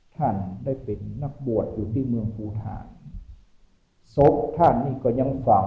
ท่านได้เป็นนักบวชอยู่ที่เมืองภูฐานศพท่านนี่ก็ยังฝัง